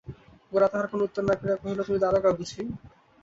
গোরা তাহার কোনো উত্তর না করিয়া কহিল, তুমি দারোগা বুঝি?